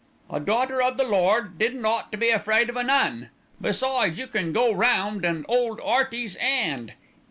"A daughter o' the Lord didn't ought to be afraid of an 'Un; besides, you can go round an' 'old 'Earty's 'and.